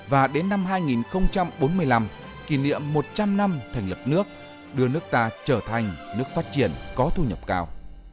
và đến năm hai nghìn bốn mươi năm kỷ niệm một trăm linh năm thành lập nước đưa nước ta trở thành nước phát triển có thu nhập cao